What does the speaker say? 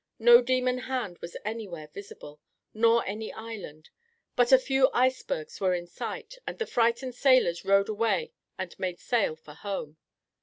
No demon hand was anywhere visible, nor any island, but a few icebergs were in sight, and the frightened sailors rowed away and made sail for home.